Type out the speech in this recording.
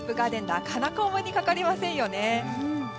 なかなかお目にかかれませんよね。